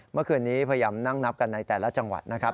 เมื่อคืนนี้พยายามนั่งนับกันในแต่ละจังหวัดนะครับ